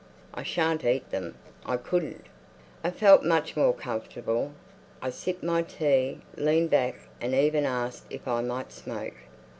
"I shan't eat them; I couldn't!" I felt much more comfortable. I sipped my tea, leaned back, and even asked if I might smoke.